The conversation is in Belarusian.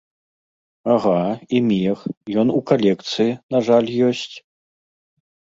Ага, і мех, ён у калекцыі, на жаль, ёсць.